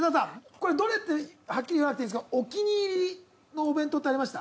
これどれってはっきり言わなくていいですけどお気に入りのお弁当ってありました？